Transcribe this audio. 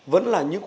vẫn là những